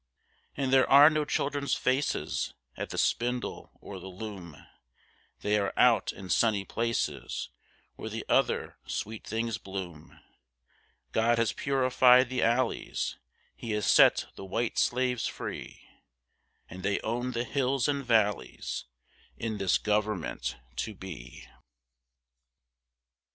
And there are no children's faces at the spindle or the loom; They are out in sunny places, where the other sweet things bloom; God has purified the alleys, He has set the white slaves free, And they own the hills and valleys in this Government to Be.